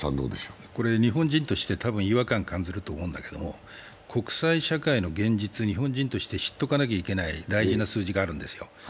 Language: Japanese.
日本人として多分違和感を感じると思うんだけれども、国際社会の現実、日本人として知っておかなければならない大事な数字があるんですよ。